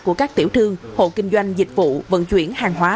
của các tiểu thương hộ kinh doanh dịch vụ vận chuyển hàng hóa